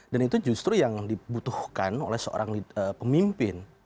dan itu justru yang dibutuhkan oleh seorang pemimpin